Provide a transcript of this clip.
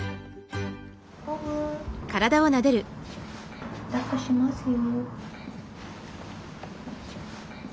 ボブだっこしますよ。